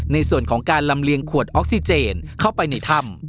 ในส่วนของการลำเลียงขวดออกซิเจนเข้าไปในถ้ำ